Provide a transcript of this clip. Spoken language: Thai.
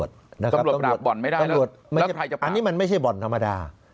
ได้รับบอดไม่ได้ละงั้นแล้วใครอันนี้มันไม่ใช่บอดธรรมดา